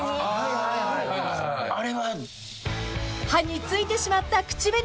［歯についてしまった口紅］